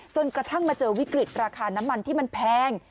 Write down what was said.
จนกระทั่งมาเจอวิกฤตราคาน้ำมันที่มันแพง